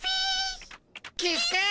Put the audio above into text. キスケ！